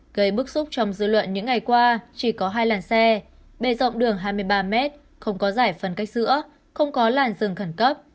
gây bức xúc trong dư luận những ngày qua chỉ có hai làn xe bề rộng đường hai mươi ba m không có giải phân cách giữa không có làn rừng khẩn cấp